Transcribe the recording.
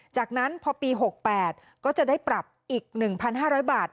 จากนั้นพอปีหกแปดก็จะได้ปรับอีกหนึ่งพันห้าร้อยบาท